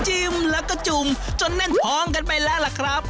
จิ้มแล้วก็จุ่มจนแน่นท้องกันไปแล้วล่ะครับ